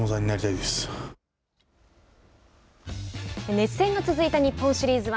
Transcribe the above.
熱戦が続いた日本シリーズは